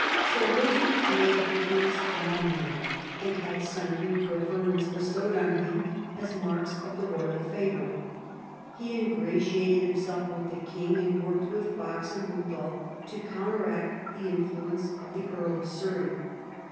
So Wolsey was made the king's almoner, and had \ II. THE FRENCH ALLIANCE 23 sundry preferments bestowed on him as marks of the royal favour. He ingratiated himself with the king, and worked with Fox and Euthal to counteract the in fluence of the Earl of Surrey.